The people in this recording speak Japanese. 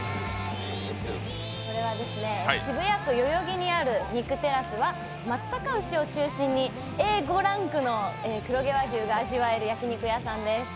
渋谷区代々木にある２９テラスは松阪牛を中心にＡ５ランクの黒毛和牛が味わえる焼き肉屋さんです。